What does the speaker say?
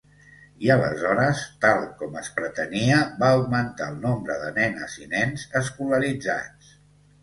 I aleshores, tal com es pretenia, va augmentar el nombre de nenes i nens escolaritzats.